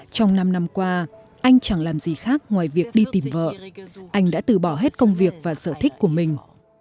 trong năm năm qua anh chẳng làm gì khác ngoài việc đi tìm vợ anh đã từ bỏ hết công việc và sở thích của mình